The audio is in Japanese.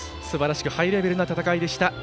すばらしくハイレベルな戦いでした。